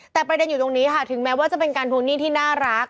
แต่ประเด็นอยู่ตรงนี้ค่ะถึงแม้ว่าจะเป็นการทวงหนี้ที่น่ารัก